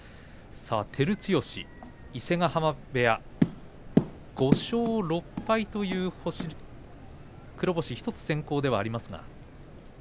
照強、伊勢ヶ濱部屋５勝６敗という黒星１つ先行です。